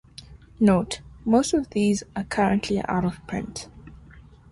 Note: Most of these are currently out of print.